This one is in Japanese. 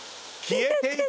消えてる。